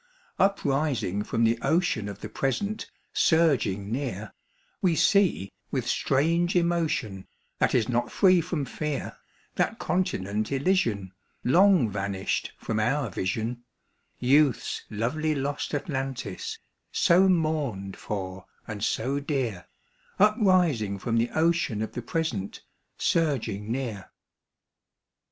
Uprising from the ocean of the present surging near, We see, with strange emotion, that is not free from fear, That continent Elysian Long vanished from our vision, Youth's lovely lost Atlantis, so mourned for and so dear, Uprising from the ocean of the present surging near.